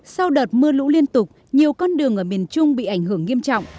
sau đợt mưa lũ liên tục nhiều con đường ở miền trung bị ảnh hưởng nghiêm trọng